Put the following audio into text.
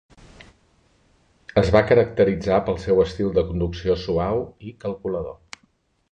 Es va caracteritzar pel seu estil de conducció suau i calculador.